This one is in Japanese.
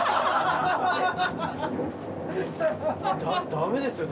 ダメですよ。